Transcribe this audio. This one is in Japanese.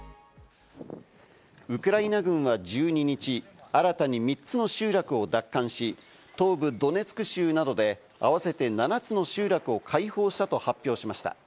ウクライナ軍は１２日、新たに３つの集落を奪還し、東部ドネツク州などで合わせて７つの集落を解放したと発表しました。